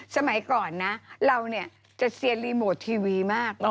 สมัยก่อนนะเราเนี่ยจะเซียนรีโมททีวีมาก